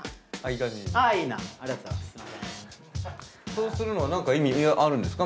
そうするのは意味あるんですか？